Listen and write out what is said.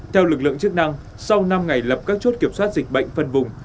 theo lực lượng chức năng sau năm ngày lập các chốt kiểm soát dịch bệnh phân vùng